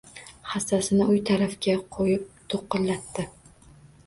Hassasini uy tarafga qo‘yib do‘qillatdi.